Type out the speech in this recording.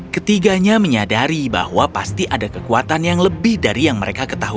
ketiganya menyadari bahwa pasti ada kekuatan yang lebih dari yang mereka ketahui